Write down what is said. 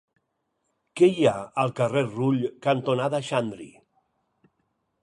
Què hi ha al carrer Rull cantonada Xandri?